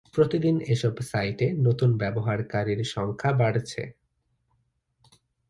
প্রতিদিন এসব সাইটে নতুন ব্যবহারকারীর সংখ্যা বাড়ছে।